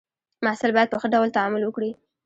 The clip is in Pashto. محصل باید په ښه ډول تعامل وکړي.